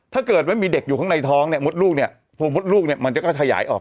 ถ้าเกิดว่ามีเด็กอยู่ข้างในท้องเนี่ยมดลูกเนี่ยโพงมดลูกเนี่ยมันจะก็ขยายออก